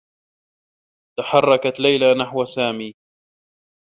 تحرّكت ليلى نحو سامي.